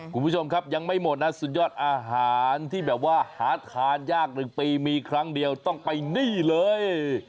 คุณผู้ชมครับยังไม่หมดนะสุดยอดอาหารที่แบบว่าหาทานยาก๑ปีมีครั้งเดียวต้องไปนี่เลย